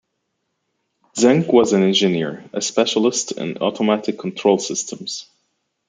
Zeng was an engineer, a specialist in automatic control systems.